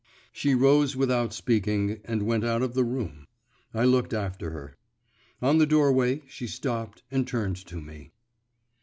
She rose without speaking, and went out of the room. I looked after her. On the doorway she stopped and turned to me.